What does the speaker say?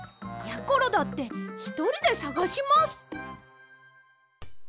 やころだってひとりでさがします。